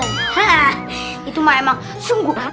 hah itu mak emang sungguh enak